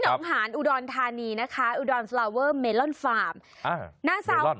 แล้วไม่มีการไปกอดใครอยู่แล้วจะบ้าเผาแล้ว